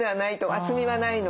厚みはないので。